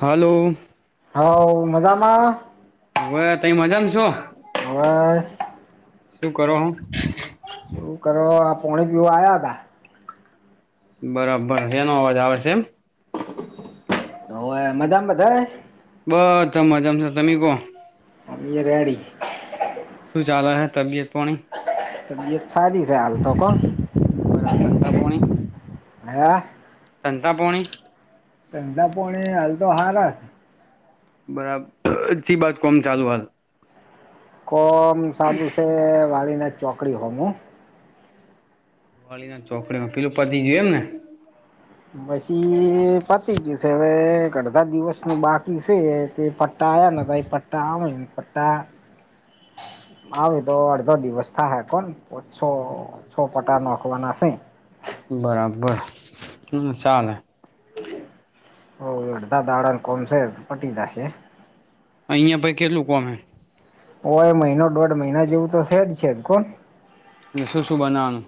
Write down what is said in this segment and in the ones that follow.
હાલો. હવ મજામાં. હવે તઈ મજામાં છો હવે શું કરો હો. શું કરો પોણી પીવા આયા હતા આવ્યા હતા. બરાબર એનો અવાજ આવે છે એમ. ઓવે મજામાં બધાય. બધાજજામશે તમે કો અ મેં રેડી. શું ચાલે હ તબિયત પાણી. તબિયત સારી છે હાલ તો કો. બરાબર ધંધા પાણી હા. ધંધા પાણી. ધંધા પોણી હાલ તો હારા છે. બરાબર હછી બાજ કોમ ચાલુ હૈ. કો મ ચાલુ છે વાળને ચોકડી હોમુ. વાલી દાળ ચોકડીમાં પેલું પતિ ગયુ એમ ને. પછી પતી ગયું છે હવે અડધા દિવસનું બાકી છે તે ટાય અને ભાઈ પટ્ટા આમ પા આવ તો અડધો દિવસ થાય હે કોણ ઓછો છો પટા નોખવાના શે. બરાબર હમ્મ ચાલે. હ અડધા દાડાને કોમશે તો પટી જશે. અહિયાં ભાઈ કેટલું કોમ હૈ. ઓ એ મહિનો દોઢ મહિના જેવું તો છે જ છે જ કોણ. અને શ સુ શ બનાનું?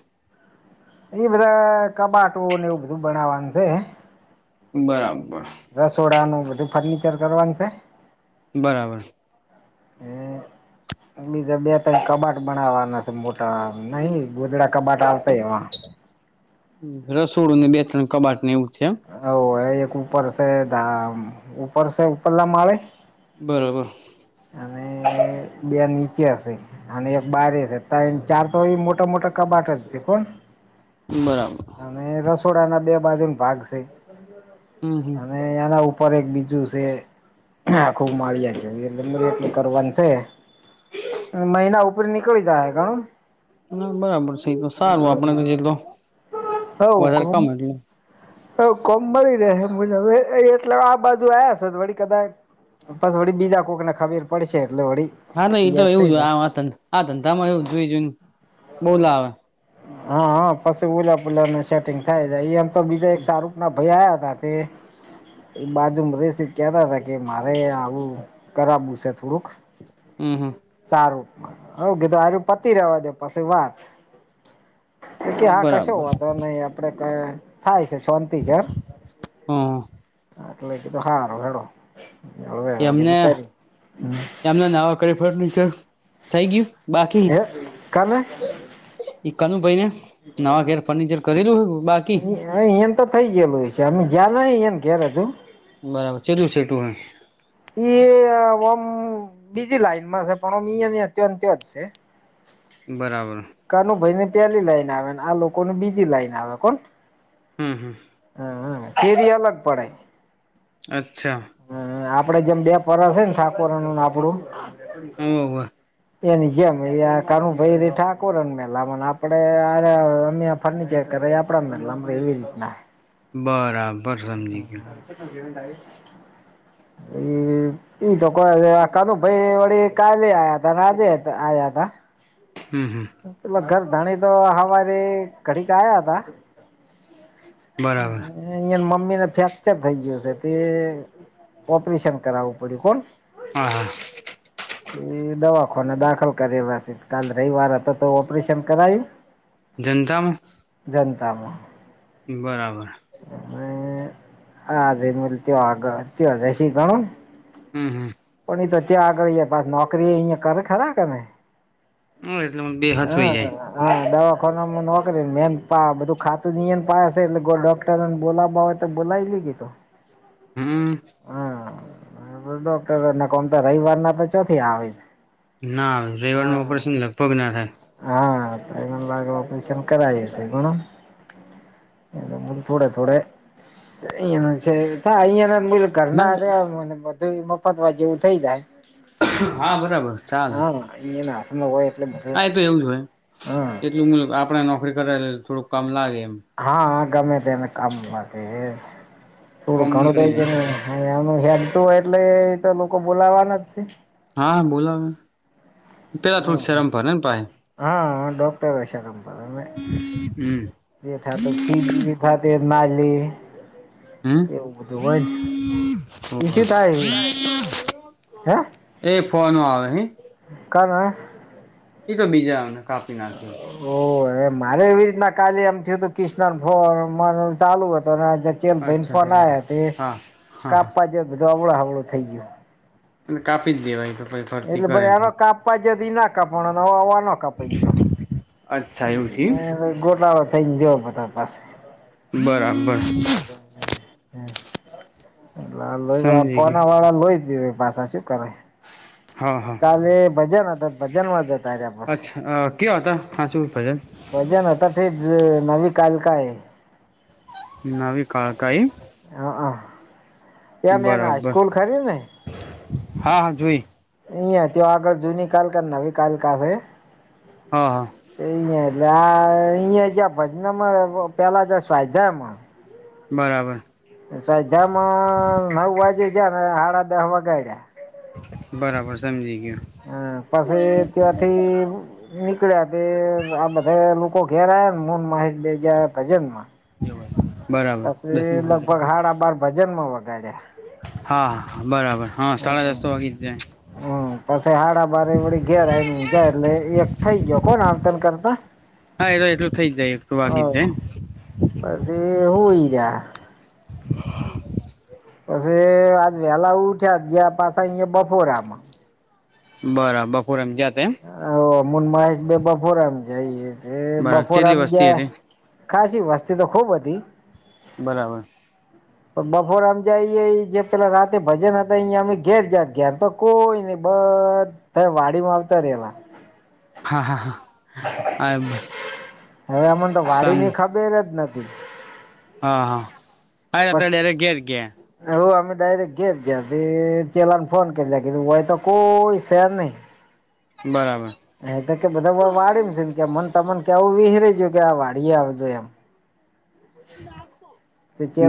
એ બધા કબાટોને એવું બધું બનાવવાનું છે. બરાબર. રસોડાનું બધું ફર્નિચર કરવાનું છે. બરાબર. હે એ. બીજા બે તકબાટ બનાવાના છે મોટા નહી ગોધડા કબાટ આવતાય એવા. રસોડું ને બે ત્રણ કબાટ ને એવું છે. હ એ એક ઉપર છે ઉપર છે પલમ માળે. બરબર. અને બે નીચે હશે. અને એક બારે છે ત ચાર તો મોટા મોટા કબાટ જ છે કોણ. બરાબર. અને રસોડા ના બે બાજુ ન ભાગ છે. હમ્મ. અને એના ઉપર એક બીજું છે, આખુંબ માળિયા જેવું. એટલી કરવાની છે, મહિના ઉપર નીકળી જાય હ કા. હા બરાબર છે તો સારું આપડ તો જેટલ, વધારે કમે એટલ. હ કોમ મળી રહે મુજબ એટલે આ બાજુ આવ્યા છે વળી કદાચ બસ વળી બીજા કોક ને ખબીર પડશે એટલે વળ હા ન એ તો એવું આ આ ધંધા માં એવું જોઈ જોઈને બોલા આવે. હા હા પછી ઉલા પુલાને સેટિંગ થાય જાય એમ તો બીજું એક સારું ના ભૈયાયા તે એ બાજુમાં રસી કેતા હતા કે મારે આવું કરું છે થોડુંક. હમ હમ. સારુંમાં, હ કેતો આારું પતિ રવા દે પાછી વાત. કે હા કશ બરાબર હોવા તો નહી આપડે થાય છે શાંતિ છે. હમ્મ. એટલે કીધું હારો, વેડો કીધું કરી. એમના નાવા કર ફર્નિચર થઈ ગયું બાકી? હે કાલે ઈ કનુ ભાઈ ને નવા ઘેર ફર્નિચર કરેલું હોય બાકી? અ એન તો થઈ ગયેલું હોય છે અમે જયા એને કે્યારે છુ. બરાબર છેલું છેટું હ? એ ઓમ બીજી લાઈનમાં છે પણની હતંત જ છે. બરાબર. કાનુ ભાઈ ને પેલી લાઈન આવેને આ લોકોને બીજી લાઈન આવે કોણ. હમ હા. હમ સીરી અલગ પડે. અચ્છા. હમ આપડે જેમ બે ફર છે ને સાકુરનું આપડું. ઓહો એની જેમ કાનુભાઈ ર ઠાકોરનમેલાને આપડે અમે ફર્નિચર કર આપણાનેટ અમ એવી રીતના. બરાબર સમજી ગયો. એ એ તો કાનુ ભાઈ વળી કાલે આયા હતા આજે આયા હતા. હમ હમ. પે ઘર ધાણી તો હવારી ઘડીક આયા હતા. બરાબર. અહીં મમ્મી ને ફ્રેક્ચર થઈ ગયો છે તે ઓપરેશન કરાવવું પડ્યું કોણ. હા, હા. એ દવાખાને દાખલ કરે પાસે કાલ રવિવાર તો ઓપરેશન કરાયું. જનતામાં. જનતામાં. બરાબર. અને હજે ત આગળ ત જશ ગણું હમ્મ, હમ્મ. નહી તો ત્યાં આગળ બ નોકરી અહીં કર ખરા કે નહીં. હમ્મ એટલે બે હચવાઈ હા. જાય હા દવાખોનામાં નોકરી ને એમ બધું ખાતું એ પાયા છે એટલે ગો લોક તર ને બોલાવા હોય તો બોલાવી લઈએ તો. હમ્મ. બરાબર ડોક્ટર કોમ તો રવિવાર ના તો ચોથી આવે જ. ના રવિવારનું ઓપરેશન લગભગ ના થાય. હા, તઈ મને લાગે ઓપરેશન કરાવે છે ઘણો. એ થોડે થોડે સે અહીયા તા અહીંયા ના મુજ ના ઘરના બધું એ મફત વા જેવું થઇ જાય. હા, બરાબર ચાલેે. ઈ ના હાથમાં હોય એટલે બ હા, એ તો એવું જ હોય એટલું મેં આપડે નોકરી કરે થોડુંક કામ લાગે એમ. હા ગમે તેને કામલાગે એ થોડું કોમ ઘણું નીકળી થઈ જાય એ ને હા એમનું હેમતું હોય એટલે તો લોકો બોલાવાના જ છે. હા બોલાવે. તે પેલા થોડુક હમ શરમ ભરે ના પાહે. હા ડોક્ટર એ શરમ ભરે. હમ જે થાતો ફી દિયે. ખાતેર માલી હમ એવું બધું હોયને ઈ સે થાય હે. એ ફોન આવે નહી? કમ એ? એ તો બીજાને કાપી નાખ્યું. ઓ એ મારે એવી રીતના કાલે એમ થયું હતું ક્રષ્ન ફોન ચાલુ હતો ને આજે ચલ ભન અચ્છા ફોન બરાબર આ્યા તે હા હા હા કાપવા જે બધું અવળ હવળું થઈ ગયું. ને કાપી જ દેવાય એ તો. પછ ફરતી એટલે કરે ભાઈ આનો પણ કાપવા જયોથી ના કાપવાનો આવા ન કાપાઈ ગયો. અચ્છા એવું થયું એ ને ગોટાળો થઈ ને જો બધા પાસે બરાબર [inaudible] એટલે આ લોઈ સમજી ફોના ગયા વાળા લોઈ દ પાછા શું કરો. હા, હા. અને એ ભજે ને તો ભજન માં જતા રયા પાસ. અહ કે હતાં ખા છું ફજલ. વજન હતા ઠેટ નવી કલ કાય. નવી કળકાઈ. હ હ એ મે એને બરાબર સ્કૂલ ખરી્યું ને હા હા જોઈ એ ત્યાં તે તો આગળ જૂની કલકા નવી કલકા સે હા, હા. તે ઈહે એટલે આ અહીં જ ભજનમાં પેલા ત સ્વાયધામાં. બરાબર. અહ સાજામાં નવ વાગે જ ને સાડા દહ વાગાડ્યા. બરાબર સમજી ગ્યો. હમ પછી ત્યાંથી નીકળ્યા તે આ બધા લોકો ઘેર આયા ને [unintelligible] બેહ ગ્યા ભજનમાં જવાર પછી લગભગ હાડા બાર ભજનમાં વગાડ્યા. હા બરાબર હા સાડા દસ તો વાગી જ જાય. હમ્મ. પછી હાડા બારે વળી ઘેર આવી જાય એટલે એક થઈ ગયો કોણ આવતન કરતા? હા એ તો એટલુ થઈ જાય એકલું વાગી જાય પસી હુઈ ગ્યા. [inaudible] પસી આજ વેલા ઉઠ્યા જયા પાસા અયા બફોરામાં બરા બપોરામાં ગ્યા તા એમ [unintelligible] બફોરામાં જઈએ બરાબર કેટલી બફોરામ વસ્તી જ્યા હતી ખાાસી વસ્તી તો ખુબ હતી. બરાબર. બપોર આમ જાય જે પેલા રાતે ભજન હતા એયા અમે ઘેર જાત ઘેર તો કોઈ નઈ બધા વાડીમાં આવતા રેવાના હા હા હા [unintelligible] હવે એમને તો વાડી સમ ની ખબર જ નથી. હા હા આ [unintelligible] ડાયરેક ઘેર ગ્યા. હ અમે ડાયરેક્ટ ઘેર ગયા તે ચેલાને ફોન [unintelligible] હોય તો કોઈ શેર નઈ બરાબર. એ તો કે બધા વાળ ને છે કે મન તમન કે એવું વિહરાય ગયું કે આ વાળી આવ જો એમ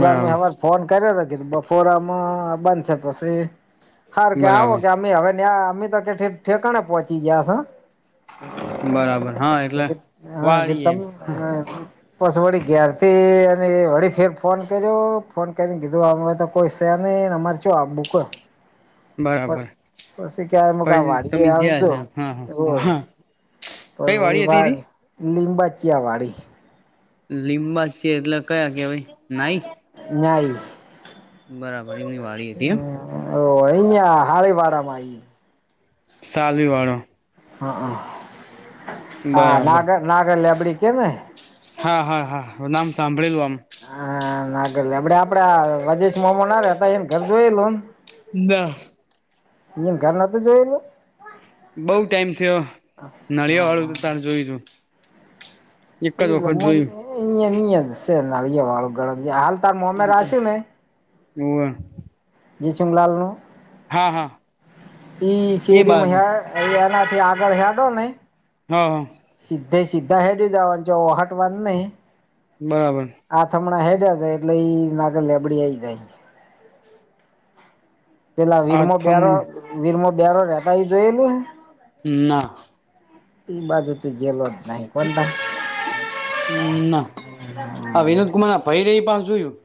બરાબર ફોન કર્યો હતો કીધું બપોરામાં બંધશે પસી હાર કે આવો બરાબર કે અમે હવે નયા અમે તો ઠેકાણે પહોંચી ગયા સ. બરાબર હા એટલે વાળી એમ [unintelligible] પસ વળી ગ્યાર થી અને વળી ફેર ફોન કર્યો ફોન કરીને કીધું અમે તો કોઈ શેર ની અમારે [unintelligible] પસ બરાબર પસી ક્યારે મુક આ પછી તમે વાડી જ્યાં આવજો હશે હા હા એવું હ હા કઈ વાડી [unintelligible] હતી તી વાળ લીંબાચીિયા વાડી લીંબાચ્યા એટલે કયા કેવાાઈ નાઈ નાઈ બરાબર એમની વાડી હતી એમ ઓ અહીયા હારે વાડામાં સાલી વાળો હ હ બરાબર નાગર નાગર લેબડી કેને હા હા હા નામ સાંભળીલું આમ હા નાગર લેબડી આપડે આ રાજેશ મોમ ના રેતા હ એને ઘર જોય લયો. [unintelligible] તુએ ઘર નોતું જોયલુ બઉ ટાઈમ થયો નળિયા વાળું તો હા તારે જોયું તું. એક જ વખત જોયું [unintelligible] સે નડિયાવાળું ઘર હોવ [unintelligible] લાલનું હા હા ઈ એ શેરી માં બાજુ [unintelligible] એ એનાથી આગળ હેડો નઈ હા. સિધે સીધા હેડી જવાનું જે ઓહાટવાનું નઈ બરાબર. આ હમણાં હેડ્યા જ એટલે ઈ માગ લેબડી આઈ જાય. પેલા વીરમો આથમ બ્યાર વીરમો બ્યારો રહેતા જોયેલું હે? ના. [unintelligible] ના આ વિનોદ કુમાર ના [unintelligible] પાસ જોયું.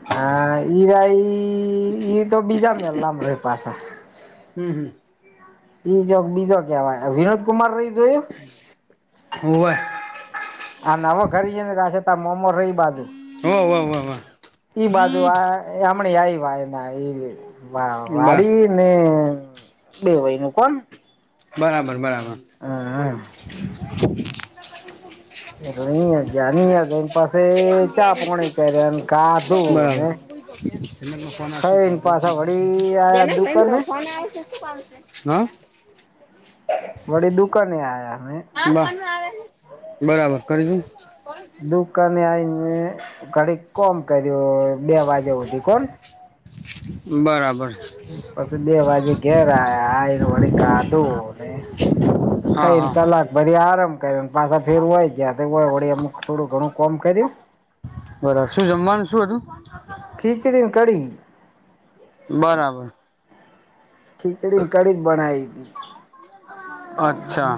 [unintelligible] ઈ તો બીજા [unintelligible] હમ્મ હમ્મ. એજો બીજો કેવાય વિનોદ કુમાર રહી જોયો હવે આ નવ ઘરી જઈ ને કસે ત મોમો રહી બાજુ. હોહ વાહ. ઈ બાજુ આ હમને આ વા એ બા વાડી ને બે વય નું કોણ. બરાબર બરાબર. હા હા. [inaudible] એટલે અહિયાં જ અહિયાં જઈને પાસે ચા પોણી કર્યા ખાધું બરાબર. ને ફ ખાઈને પાછા વળી આયા દુકાને ફ [unintelligible] હા. વડી દુકાને આયા હમે. બ બરાબર કરીશું. દુકાને આવીઈને ઘડી કોમ કર્યો બે વાગ્યા સુધી કોણ. બરાબર. પછી બે વાજે ઘેર આ આને વળી કાધુ ને. હા ખાઈને હા કલાક ભરી આરામ કરીને પાછા ફેર હોય ગયા તો હોય વળી અમક થોડું ઘણું કોમ કર્યું. બરાબર શું જમવાનું શું હતું? હ [unintelligible] ખીચડી કડી. બરાબર. ખીચડી ને કડી બનાઈ હતી. અચ્છા.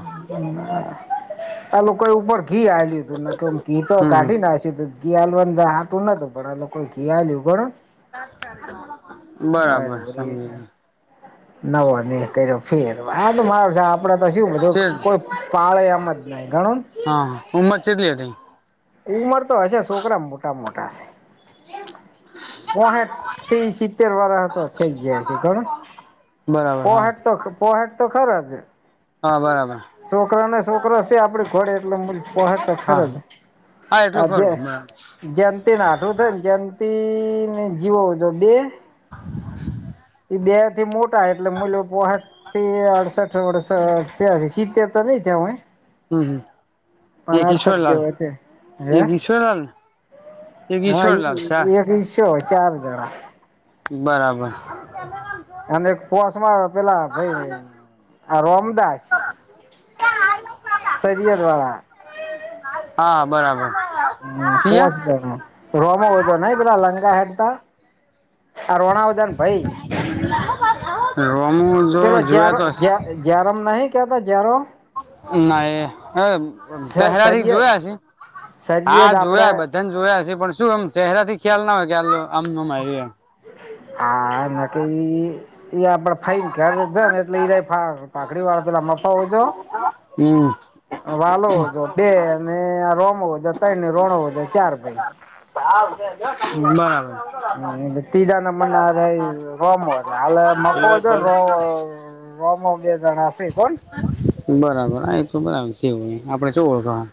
આલું કઈ ઉપર ઘી આલ્યું હતું કે ઘી તો હમ કાઢી હમ નાયું ત. ઘી હલવા હાટું નાતું પણ લોકો ઘીયાલ્યું ઘણ. બરાબર સમજી. નવો નહી કર્યો ફેર આ તો મારો આપડે તો શું છે કોઈ પાળે એમ જ નહી ગણ. ઉમર છેટલી હતી? ઉમર તો હશે છોકરા મોટા મોટા છે. ઓ થી સિત્તેર વાર તો થઇ ગયા છે ગણ. બરાબર હા પોહાટ તો પોહાટ તો ખર જ. હા બરાબર છોકરાને છોકરા છે આપડી ઘોડે એટલે પતા ખર હા જ. હા એટલું આ જે ખરું બરાબર જયંતીને આઠું થાય ને જયંતી ને જીવો જો બે. બે થી મોટા એટલે મલ પોઠ થી અડસઠ વર્ષ તે્યા શીતે તો નહી થયા હોવે. હમ હમ પણ એક અડસઠ ઈશ્વરલાલ જેવાય છે હે. એક ઈશ્વરલાલ એક હા ઈશ્વરલાલ ચા એક ઈસ્યો હોય ચાર જણા. બરાબર. અને પોસમાં પેલા ભાઈ. રમદાસ, સરયત વાળ. હા બરાબર. હમ્મ હું વાત ચિયા જાણો? રોમો વધો નહી પેલા લાંંગા હેડતા, આ રોણા બધા ને ભાઈ રમુ જો જોયા તો હસે? જરમ નહીં કતા જરમ. ના હ ચહેરા થી સરિયે જોયા છે, સરિયદ હા આપડે જોયા બધા. તને જોયા હ પણ શું એમ ચહેરા થી ખ્યાલ ના હોય કે આ આમમ આવ એમ. આ નાકી એ આપડે ફાઈન ક્યારે જ ને એટલે ઈરા પાખડી વાળા પેલા મફા હોજો. હમ્મ. વાલોજો બે અને આ રોમોજો ત્રણની રોણોજો ચાર ભાઈ. હા [unintelligible] બરાબર હ તીજા ના હારે રમ હો એટલે હ મફો છે ને રો રોમો બે જણા શે કોણ? બરાબર આ એક તો બરા છેવું આપડે શું ઓળખાણ.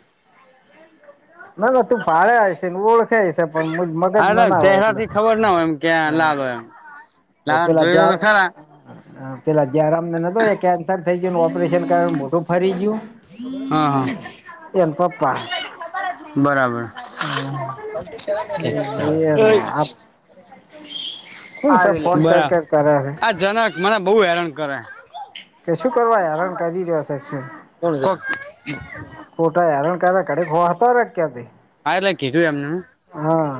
ના ના તું ભાડે હશે ઓળખે હશે પણ મગજમાં ના હોય એટલે પેહલાથી ખબર ના હોય એમ. ક્યાં હા લાલો એમ લાલો ન પેલા જોયો તો જ્યા ખરા. પેલા જયરામને નતો એ કેન્સર થઈ ગ્યુંને ઓપરેશન કરઇવુ મોદુ ફરી ગ્યું? હા હા. એન પપ્પા. બરાબર ઠીક છે. કોણ સે ફોન કર કર કરે હે આ જનક મને બહુ હેરાન કરે. કે શું કરવા હેરણ કરી રહ્યો સે? કોણ [unintelligible] કોટા હેરાણ કર્યા કડી ખોવા હતા ક્યાંથી. હા ઈરે કીધું એમને. હા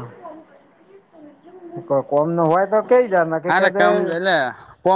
કો કોમ ના હોય તો કેઈ જાય ન હા કે એટલે દે કામ એટલે કોમ